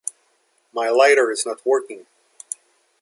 My lighter is not working.